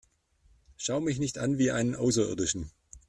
Schau mich nicht an wie einen Außerirdischen!